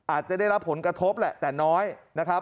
อาจจะได้รับผลกระทบแหละแต่น้อยนะครับ